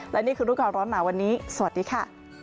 และนี่คือรู้ก่อนร้อนหนาวันนี้สวัสดีค่ะ